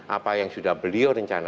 apa yang sudah beliau ini yang kita ambil